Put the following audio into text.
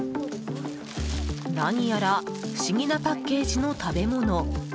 何やら不思議なパッケージの食べ物。